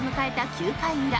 ９回裏。